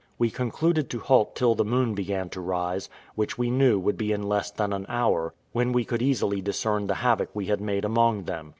We concluded to halt till the moon began to rise, which we knew would be in less than an hour, when we could easily discern the havoc we had made among them.